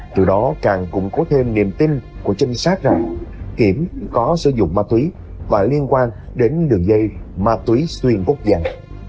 từ đó càng củng cố thêm niềm tin của chính xác rằng kiểm có sử dụng ma túy và liên quan đến đường dây ma túy xuyên bốc dặn